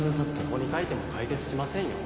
「ここに書いても解決しませんよ」